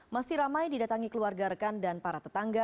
masih ramai didatangi keluarga rekan dan para tetangga